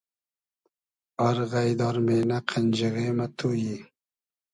آر غݷد آر مېنۂ قئنجیغې مۂ تو یی